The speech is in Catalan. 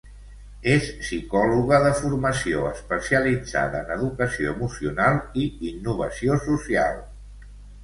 És psicòloga de formació, especialitzada en educació emocional i innovació social.